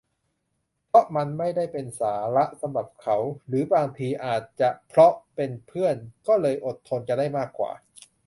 เพราะมันไม่ได้เป็นสาระสำหรับเขา หรือ บางที อาจจะเพราะเป็นเพื่อน ก็เลยอดทนกันได้มากกว่า